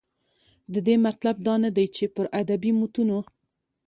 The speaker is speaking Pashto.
د دې مطلب دا نه دى، چې پر ادبي متونو